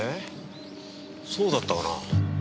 そうだったかな。